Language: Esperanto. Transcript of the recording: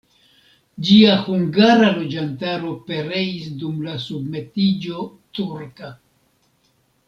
Ĝia hungara loĝantaro pereis dum la submetiĝo turka.